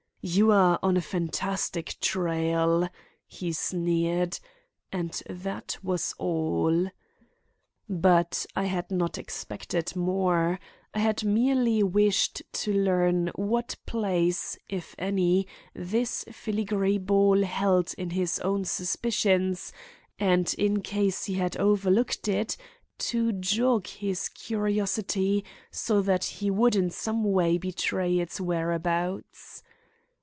"You are on a fantastic trail," he sneered, and that was all. But I had not expected more. I had merely wished to learn what place, if any, this filigree ball held in his own suspicions, and in case he had overlooked it, to jog his curiosity so that he would in some way betray its whereabouts.